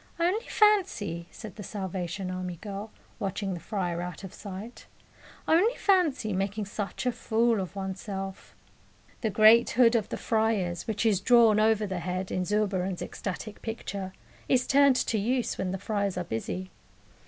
"Only fancy," said the Salvation Army girl, watching the friar out of sight, "only fancy making such a fool of one's self!" The great hood of the friars, which is drawn over the head in Zurbaran's ecstatic picture, is turned to use when the friars are busy.